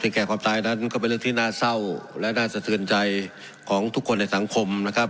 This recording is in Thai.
แก่ความตายนั้นก็เป็นเรื่องที่น่าเศร้าและน่าสะเทือนใจของทุกคนในสังคมนะครับ